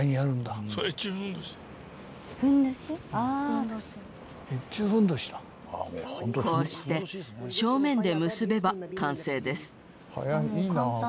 こうして正面で結べば完成です。